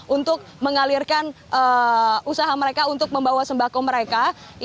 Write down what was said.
untuk mengalirkan usaha mereka untuk membawa sembako mereka